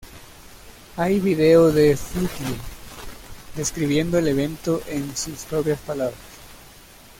Hay video de Flutie describiendo el evento en sus propias palabras.